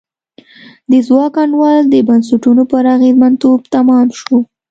د ځواک انډول د بنسټونو پر اغېزمنتوب تمام شو.